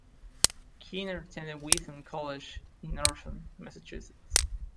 Keener attended Wheaton College, in Norton, Massachusetts.